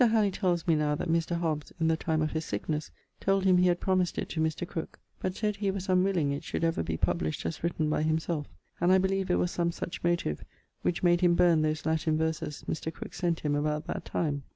Halleley tells me now, that Mr. Hobbes (in the time of his sicknesse) told him he had promised it to Mr. Crooke, but said he was unwilling it should ever be published as written by himselfe; and I beleeve it was some such motive, which made him burne those Latine verses Mr. Crooke sent him about that time.